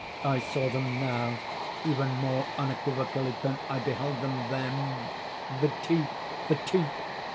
I saw them now even more unequivocally than I beheld them then. The teeth!—the teeth!